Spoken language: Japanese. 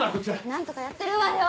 何とかやってるわよ！